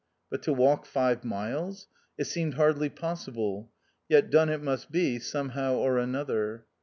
But to walk five miles ! It seemed hardly possible. Yet, done it must be, somehow or another.